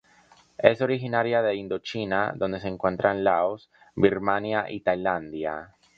Es originaria de Indochina donde se encuentra en Laos, Birmania y Tailandia.